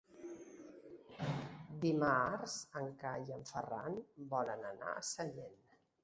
Dimarts en Cai i en Ferran volen anar a Sallent.